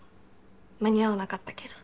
間に合わなかったけど。